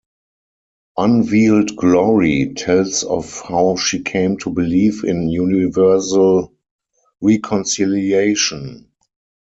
"Unveiled Glory" tells of how she came to believe in Universal reconciliation.